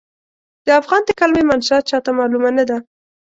د افغان د کلمې منشا چاته معلومه نه ده.